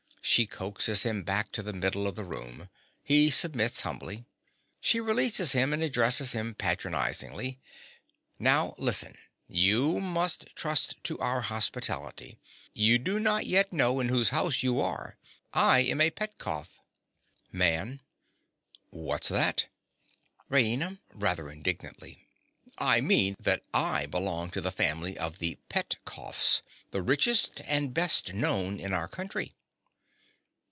(She coaxes him back to the middle of the room. He submits humbly. She releases him, and addresses him patronizingly.) Now listen. You must trust to our hospitality. You do not yet know in whose house you are. I am a Petkoff. MAN. What's that? RAINA. (rather indignantly). I mean that I belong to the family of the Petkoffs, the richest and best known in our country.